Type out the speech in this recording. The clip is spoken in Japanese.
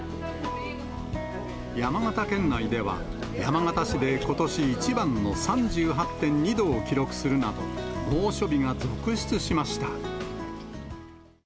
山形県内では、山形市でことし一番の３８．２度を記録するなど、猛暑日が続出しました。